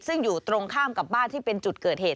ซึ่งอยู่ตรงข้ามกับบ้านที่เป็นจุดเกิดเหตุ